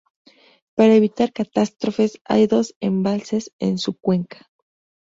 Para evitar catástrofes hay dos embalses en su cuenca.